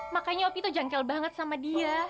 makanya opi tuh jangkel banget sama dia